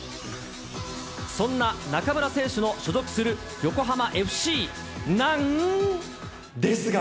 そんな中村選手の所属する横浜ＦＣなん。ですが。